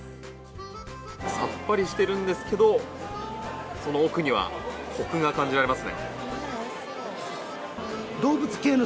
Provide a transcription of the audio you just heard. さっぱりしてるんですけどその奥にはコクが感じられます。